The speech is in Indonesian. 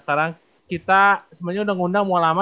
sekarang kita sebenernya udah ngundang mau lama